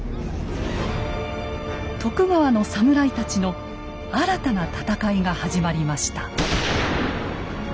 徳川のサムライたちの新たな戦いが始まりました。